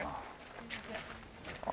すいません。